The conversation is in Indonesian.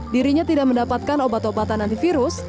dirinya tidak mendapatkan obat obatan antivirus